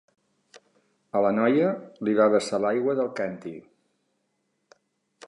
A la noia, li va vessar l'aigua del càntir.